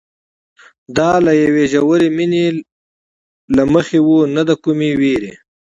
دا له یوې ژورې مینې له مخې وه نه د کومې وېرې.